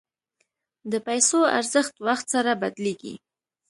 د پیسو ارزښت وخت سره بدلېږي.